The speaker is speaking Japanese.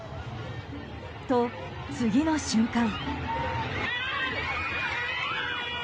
と、次の瞬間。